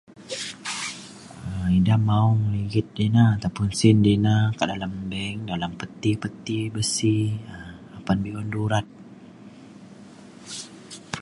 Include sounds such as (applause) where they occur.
(noise) um ida maong ligit ina atau pa sin dina kak dalem bank dalam peti peti besi um apan be’un durat